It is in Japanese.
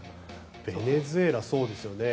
ベネズエラそうですよね。